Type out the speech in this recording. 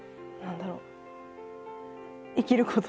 何だろう